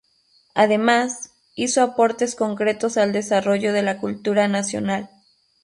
Además, hizo aportes concretos al desarrollo de la cultura nacional.